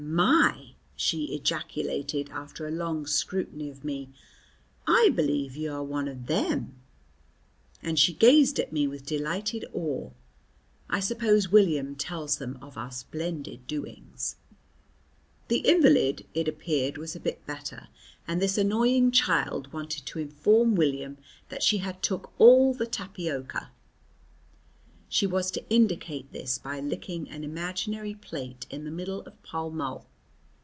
"My," she ejaculated after a long scrutiny of me, "I b'lieve you are one of them!" and she gazed at me with delighted awe. I suppose William tells them of our splendid doings. The invalid, it appeared, was a bit better, and this annoying child wanted to inform William that she had took all the tapiocar. She was to indicate this by licking an imaginary plate in the middle of Pall Mall.